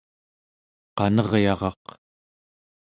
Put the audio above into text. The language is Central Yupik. qaneryaraq